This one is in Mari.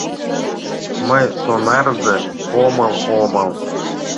«Мый «сонарзе» омыл, омыл.